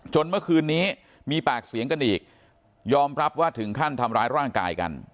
เมื่อคืนนี้มีปากเสียงกันอีกยอมรับว่าถึงขั้นทำร้ายร่างกายกัน